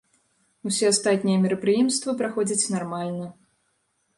Усе астатнія мерапрыемствы праходзяць нармальна.